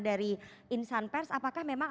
dari insan pers apakah memang